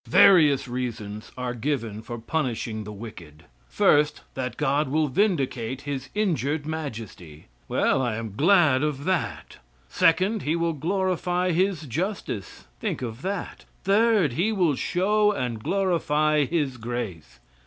Various reasons are given for punishing the wicked; first, that God will vindicate his injured majesty. Well, I am glad of that! Second, He will glorify his justice think of that. Third, He will show and glorify his grace.